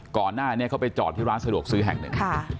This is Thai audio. ก่อนหน้านี้เขาไปจอดที่ร้านสะดวกซื้อแห่งหนึ่ง